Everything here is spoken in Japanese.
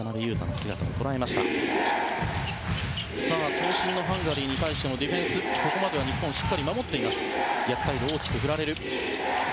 長身のハンガリーに対してのディフェンスここまでは日本しっかり守っています。